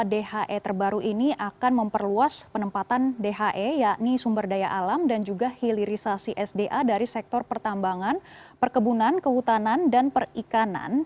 dhe terbaru ini akan memperluas penempatan dhe yakni sumber daya alam dan juga hilirisasi sda dari sektor pertambangan perkebunan kehutanan dan perikanan